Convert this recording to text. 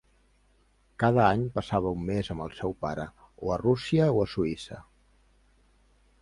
Cada any passava un mes amb el seu pare, o a Rússia o a Suïssa.